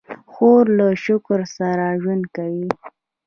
خور له شکر سره ژوند کوي.